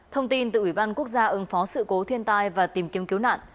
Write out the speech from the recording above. thông tin từ ủy ban quốc gia ứng phó sự cố thiên tai và tìm kiếm cứu nạn